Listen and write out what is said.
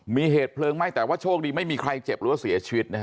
มีเหตุเพลิงไหม้แต่ว่าโชคดีไม่มีใครเจ็บหรือว่าเสียชีวิตนะฮะ